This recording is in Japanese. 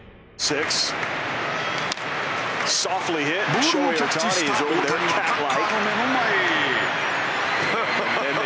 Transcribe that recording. ボールをキャッチした大谷はタッカーの目の前へ。